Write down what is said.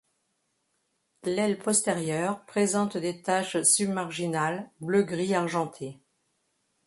L'aile postérieure présente des taches submarginales bleu-gris argenté.